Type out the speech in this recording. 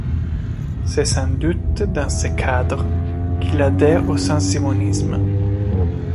C'est sans doute dans ce cadre qu'il adhère au saint-simonisme.